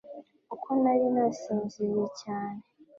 kuko nari nasinziriye cyane